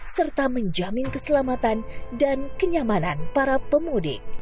serta menjamin keselamatan dan kenyamanan para pemudik